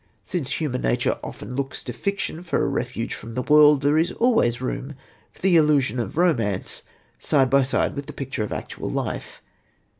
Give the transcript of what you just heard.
Since human nature often looks to fiction for a refuge from the world, there is always room for the illusion of romance side by side with the picture of actual life.